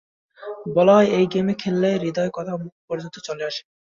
বলা হয় এই গেম খেললে হৃদয় কথা মুখ পর্যন্ত চলে আসে।